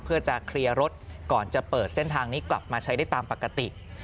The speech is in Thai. เพื่อจะเคลียร์รถก่อนจะเปิดเส้นทางนี้กลับมาใช้ได้ตามปกติ